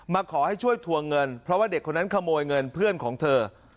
มาขอให้ช่วยทวงเงินเพราะว่าเด็กคนนั้นขโมยเงินเพื่อนของเธอ